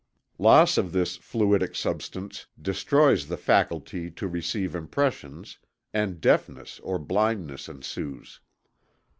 Loss of this fluidic substance destroys the faculty to receive impressions, and deafness or blindness ensues.